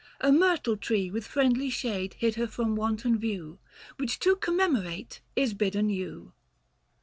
A myrtle tree With friendly shade hid her from wanton view, Which to commemorate is bidden you.